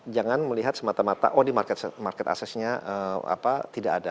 jangan melihat semata mata oh di market aksesnya tidak ada